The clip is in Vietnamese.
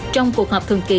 trong cuộc họp thường kỳ